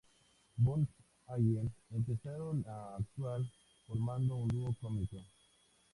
Burns y Allen empezaron a actuar formando un dúo cómico.